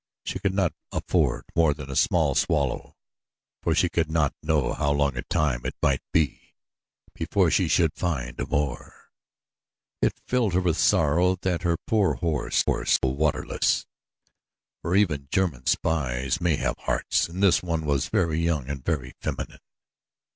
She could not afford more than a small swallow for she could not know how long a time it might be before she should find more. It filled her with sorrow that her poor horse must go waterless, for even German spies may have hearts and this one was very young and very feminine.